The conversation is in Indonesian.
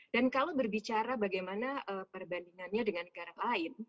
dan kalau berbicara bagaimana perbandingannya dengan negara lain